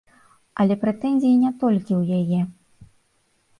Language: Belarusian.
Але прэтэнзіі не толькі ў яе.